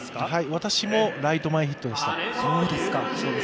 私もライト前ヒットでした。